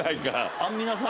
アンミナさん？